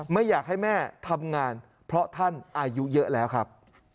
ไม่อยากให้แม่ทำงานเพราะท่านอายุเยอะแล้วครับ